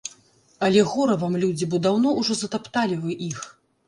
Але гора вам, людзі, бо даўно ўжо затапталі вы іх.